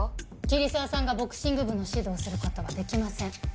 桐沢さんがボクシング部の指導をする事はできません。